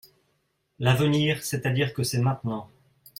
L’avenir, c’est-à-dire que c’est maintenant